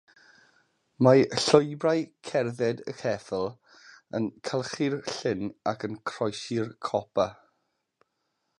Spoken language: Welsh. Mae llwybrau cerdded a cheffyl yn cylchu'r llyn ac yn croesi'r copa.